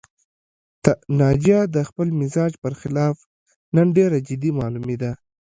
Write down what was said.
ناجیه د خپل مزاج پر خلاف نن ډېره جدي معلومېده